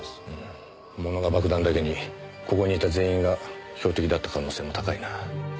ものが爆弾だけにここにいた全員が標的だった可能性も高いな。